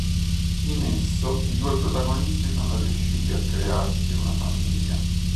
In esso, i due protagonisti sono riusciti a crearsi una famiglia.